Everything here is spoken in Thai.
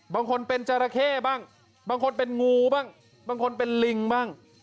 บางคนเป็นจราเข้บ้างบางคนเป็นงูบ้างบางคนเป็นลิงบ้าง